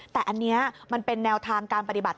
แต่อันนี้มันเป็นแนวทางการปฏิบัติ